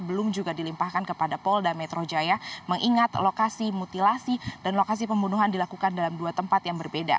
belum juga dilimpahkan kepada polda metro jaya mengingat lokasi mutilasi dan lokasi pembunuhan dilakukan dalam dua tempat yang berbeda